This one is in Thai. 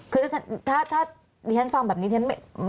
คือถ้าท่านฟังแบบนี้ท่านนึกไม่ออกว่า